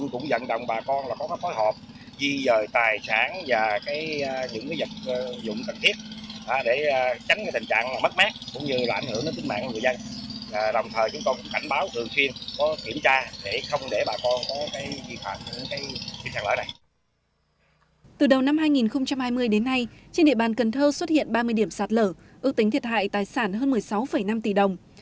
từ đầu năm hai nghìn hai mươi đến nay trên địa bàn cần thơ xuất hiện ba mươi điểm sát lở ước tính thiệt hại tài sản hơn một mươi sáu năm tỷ đồng